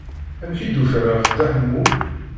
Amek i d-ufan ɣef Dda Ḥemmu?